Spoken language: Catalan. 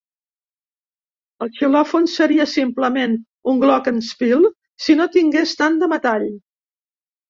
El xilòfon seria simplement un glockenspiel si no tingués tant de metall.